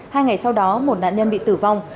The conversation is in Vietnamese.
hai ngày sau đó một nạn nhân bị tử vong